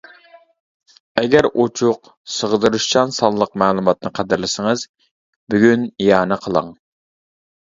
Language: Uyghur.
ئەگەر ئوچۇق، سىغدۇرۇشچان سانلىق مەلۇماتنى قەدىرلىسىڭىز، بۈگۈن ئىئانە قىلىڭ!